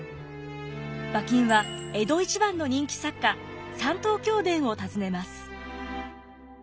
馬琴は江戸一番の人気作家山東京伝を訪ねます。